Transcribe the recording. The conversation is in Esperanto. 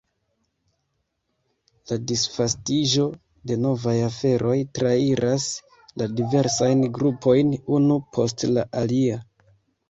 La disvastiĝo de novaj aferoj trairas la diversajn grupojn unu post la alia.